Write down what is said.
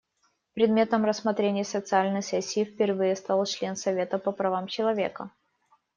Предметом рассмотрения специальной сессии впервые стал член Совета по правам человека.